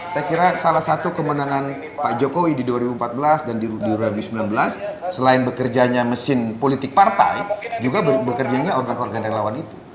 saya kira salah satu kemenangan pak jokowi di dua ribu empat belas dan di dua ribu sembilan belas selain bekerjanya mesin politik partai juga bekerjanya organ organ relawan itu